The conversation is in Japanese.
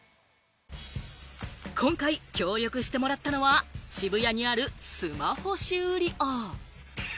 今回、協力してもらったのは渋谷にあるスマホ修理王。